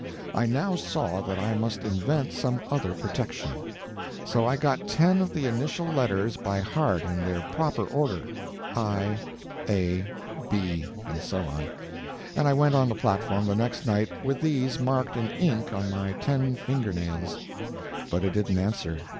I now saw that I must invent some other protection. So I got ten of the initial letters by heart in their proper order—I, A, B, and so on—and I went on the platform the next night with these marked in ink on my ten finger nails. But it didn't answer.